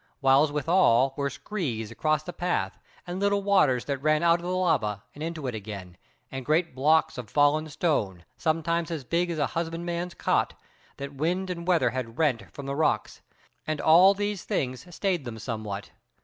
Whiles withal were screes across the path, and little waters that ran out of the lava and into it again, and great blocks of fallen stone, sometimes as big as a husbandman's cot, that wind and weather had rent from the rocks; and all these things stayed them somewhat.